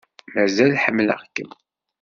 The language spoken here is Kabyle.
Mazal ḥemmleɣ-kem.